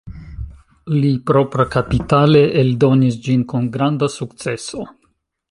Li propra-kapitale eldonis ĝin kun granda sukceso.